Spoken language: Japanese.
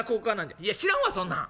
「いや知らんわそんなん。